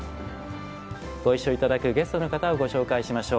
ご一緒いただくゲストの方をご紹介しましょう。